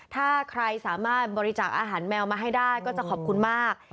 ถ้าใครสามารถบริจาคอาหารแมวมาให้ได้ก็จะขอบคุณมาก